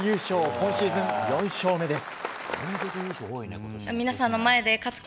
今シーズン４勝目です。